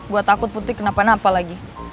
gue takut putri kenapa napa lagi